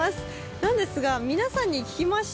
なんですが皆さんに聞きました。